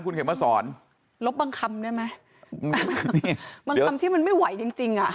คุณเข็มมาสอนลบบางคำได้ไหมบางคำที่มันไม่ไหวจริงจริงอ่ะ